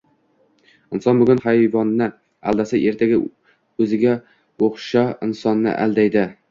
Inson bugun hayvonni aldasa, ertaga o'ziga o'xshao' insonni aldaydi.